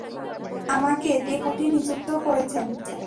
উনি আমাকে ডেপুটি নিযুক্ত করেছেন!